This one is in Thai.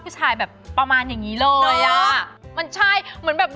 ค่ะแล้ว